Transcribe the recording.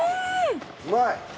うまい？